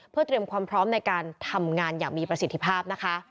เพื่อเตรียมความพร้อมในการทำงานอย่างมีประสิทธิภาพนะคะ